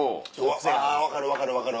あぁ分かる分かる分かる。